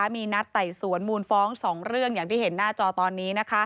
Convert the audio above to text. มีนัดไต่สวนมูลฟ้อง๒เรื่องอย่างที่เห็นหน้าจอตอนนี้